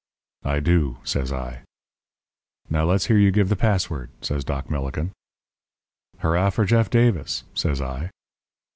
"'I do,' says I. "'Now let's hear you give the password,' says Doc Millikin. "'Hurrah for Jeff Davis!' says I.